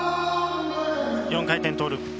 ４回転トーループ。